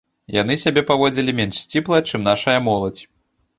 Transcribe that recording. Яны сябе паводзілі менш сціпла, чым нашая моладзь.